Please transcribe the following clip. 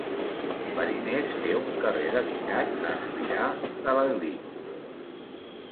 Farines té un carrer dedicat a Espirà de l'Aglí.